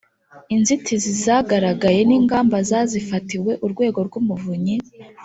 inzitizi zagaragaye n’ingamba zazifatiwe urwego rw'umuvunyi